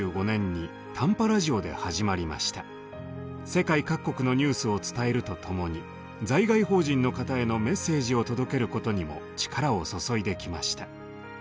世界各国のニュースを伝えると共に在外邦人の方へのメッセージを届けることにも力を注いできました。